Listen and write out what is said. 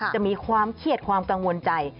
จะมีความเครียดความกังวลใจ